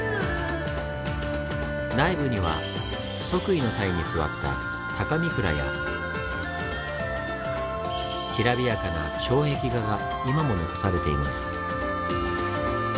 内部には即位の際に座った「高御座」や煌びやかな障壁画が今も残されています。